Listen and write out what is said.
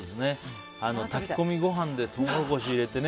炊き込みご飯でトウモロコシ入れてね